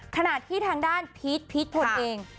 ขนาดที่ทางด้านพีชค่ะพูดเอง